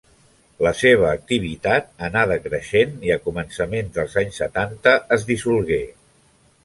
La seva activitat anà decreixent i a començaments dels anys setanta es dissolgué.